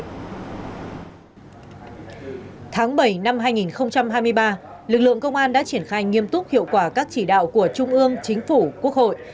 tháng bảy năm hai nghìn hai mươi ba lực lượng công an đã triển khai nghiêm túc hiệu quả các chỉ đạo của trung ương chính phủ quốc hội